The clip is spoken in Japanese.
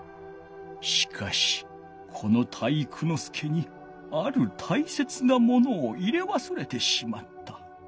しかしこの体育ノ介にあるたいせつなものを入れわすれてしまった。